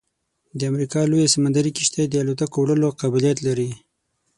د امریکا لویه سمندري کشتۍ د الوتکو وړلو قابلیت لري